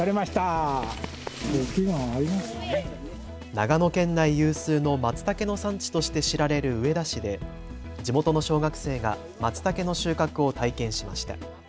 長野県内有数のまつたけの産地として知られる上田市で地元の小学生がまつたけの収穫を体験しました。